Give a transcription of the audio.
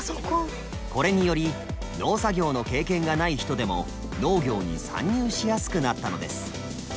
これにより農作業の経験がない人でも農業に参入しやすくなったのです。